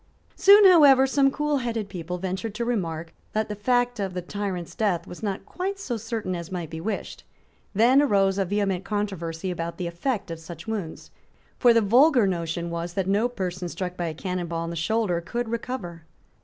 Soon, however, some coolheaded people ventured to remark that the fact of the tyrant's death was not quite so certain as might be wished. Then arose a vehement controversy about the effect of such wounds; for the vulgar notion was that no person struck by a cannon ball on the shoulder could recover.